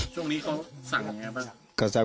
ช่วงนี้เขาสั่งยังไงบ้าง